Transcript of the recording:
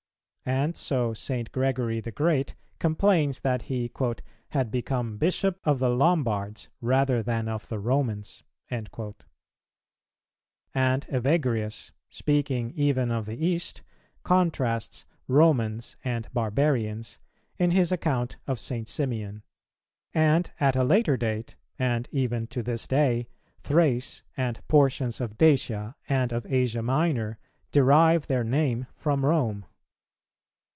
And so St. Gregory the Great complains, that he "had become Bishop of the Lombards rather than of the Romans."[280:3] And Evagrius, speaking even of the East, contrasts "Romans and barbarians"[280:4] in his account of St. Simeon; and at a later date, and even to this day, Thrace and portions of Dacia and of Asia Minor derive their name from Rome.